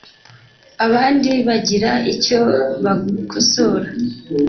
abandi bagira icyo bagukosora